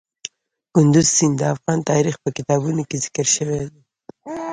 کندز سیند د افغان تاریخ په کتابونو کې ذکر شوی دی.